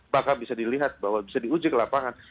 bahkan bisa dilihat bahwa bisa diuji ke lapangan